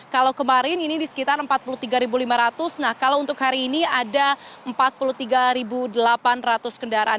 kalau kemarin ini di sekitar empat puluh tiga lima ratus nah kalau untuk hari ini ada empat puluh tiga delapan ratus kendaraan